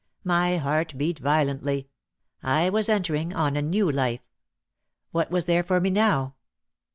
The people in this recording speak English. My heart beat violently. I was entering on a new life. What was there for me now?